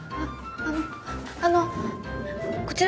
あのあのこちら